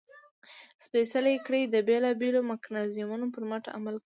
سپېڅلې کړۍ د بېلابېلو میکانیزمونو پر مټ عمل کوي.